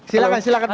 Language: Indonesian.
silahkan silahkan mas